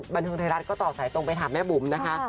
บันเทิงไทยรัฐก็ต่อสายตรงไปถามแม่บุ๋มนะคะ